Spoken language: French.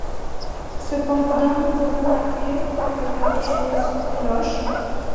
Cependant, vous remarquez que quelque chose cloche.